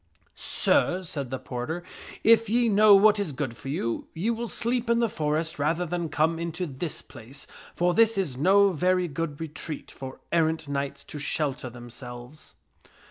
" Sir," said the porter, " if ye know what is good for you, ye will sleep in the forest rather than come into this place, for this is no very good retreat for errant knights to shelter themselves."